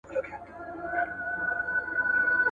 د ونو سیوری په دې غرمه کې د ستړو خلکو لپاره یو نعمت دی.